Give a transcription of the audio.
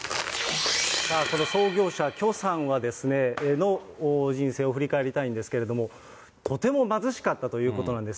この創業者、許さんの人生を振り返りたいと思うんですけれども、とても貧しかったということなんです。